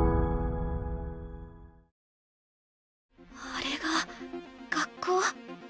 あれが学校。